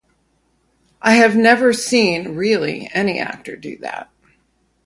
I had never seen, really, any actor do that.